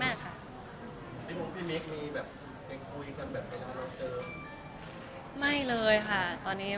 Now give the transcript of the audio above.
แฟนคลับของคุณไม่ควรเราอะไรไง